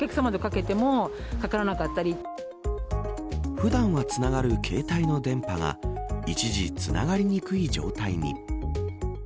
普段はつながる携帯の電波が一時、つながりにくい状態に。